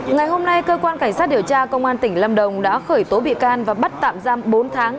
ngày hôm nay cơ quan cảnh sát điều tra công an tỉnh lâm đồng đã khởi tố bị can và bắt tạm giam bốn tháng